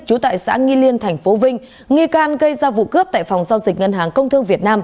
trú tại xã nghi liên tp vinh nghi can gây ra vụ cướp tại phòng giao dịch ngân hàng công thương việt nam